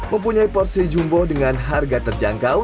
mempunyai porsi jumbo dengan harga terjangkau